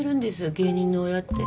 芸人の親って。